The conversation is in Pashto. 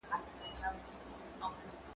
زه پوښتنه کړې ده،